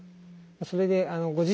それでご自身